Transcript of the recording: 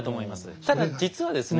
ただ実はですね